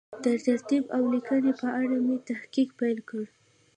د ترتیب او لیکنې په اړه مې تحقیق پیل کړ.